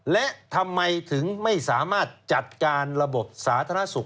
และทำไมถึงไม่สามารถจัดการระบบสาธารณสุข